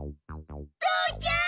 父ちゃん！